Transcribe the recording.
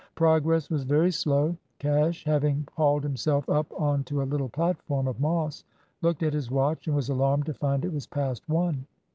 Progress was very slow. Cash, having hauled himself up on to a little platform of moss, looked at his watch and was alarmed to find it was past one.